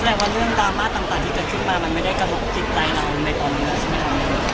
ว่าเรื่องดราม่าต่างที่เกิดขึ้นมามันไม่ได้กระทบจิตใจเราในตอนนี้เลยใช่ไหมคะ